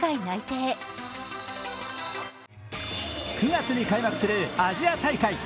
９月に開幕するアジア大会。